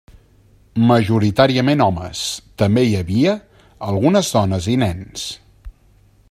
Majoritàriament homes, també hi havia algunes dones i nens.